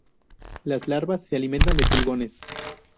Las larvas se alimentan de pulgones.